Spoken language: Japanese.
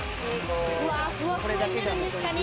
ふわふわになるんですかね？